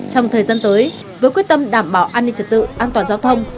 trong thời gian tới với quyết tâm đảm bảo an ninh trật tự an toàn giao thông